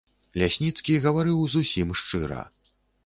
Лясніцкі гаварыў зусім шчыра.